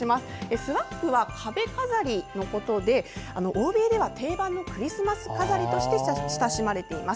スワッグは壁飾りのことで欧米では定番のクリスマス飾りとして親しまれています。